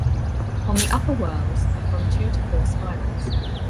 On the upper whorls are from two to four spirals.